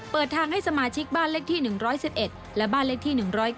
เปิดทางให้สมาชิกบ้านเลขที่๑๑๑และบ้านเลขที่๑๐๙